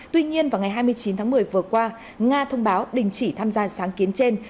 tuy nhiên vào ngày hai mươi chín tháng một mươi vừa qua nga thông báo đình chỉ tham gia sáng kiến trên